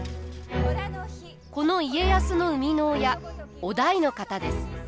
この家康の生みの親於大の方です。